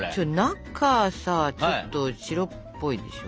中さちょっと白っぽいでしょ？